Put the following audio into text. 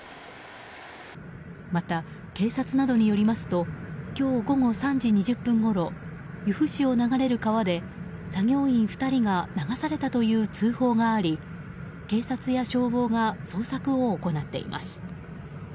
また、警察などによりますと今日午後３時２０分ごろ由布市を流れる川で作業員２人が流されたという通報があり警察や消防が捜索を行っています。